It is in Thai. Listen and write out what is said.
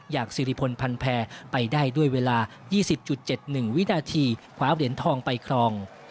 สิริพลพันแพรไปได้ด้วยเวลา๒๐๗๑วินาทีคว้าเหรียญทองไปครอง